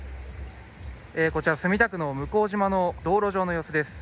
こちら墨田区の向島の道路上の様子です。